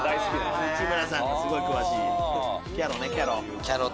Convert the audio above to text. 内村さんがすごい詳しい。